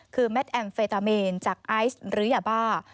คือแมทแอมเฟตาเมนจากไอซ์หรือยาบ้า